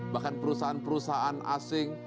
bahkan perusahaan perusahaan asing